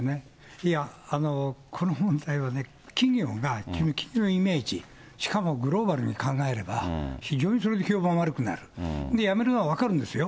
いや、この問題はね、企業が企業イメージ、しかもグローバルに考えれば、非常にそれで評判悪くなる、やめるのは分かるんですよ。